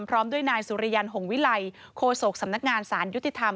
พร้อมด้วยนายสุริยันหงวิลัยโคศกสำนักงานสารยุติธรรม